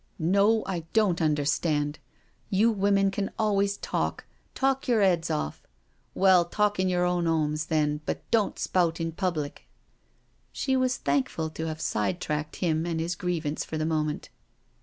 " No, I don't understand — you women can always talk — talk your own heads off. Well, talk in your own homes, then, but don't spout in public." She was thankful to have side tracked him and his grievance for the moment.